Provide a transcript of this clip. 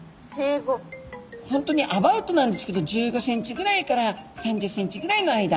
本当にアバウトなんですけど１５センチぐらいから３０センチぐらいの間。